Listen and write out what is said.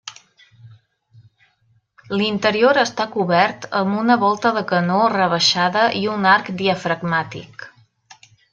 L'interior està cobert amb una volta de canó rebaixada i un arc diafragmàtic.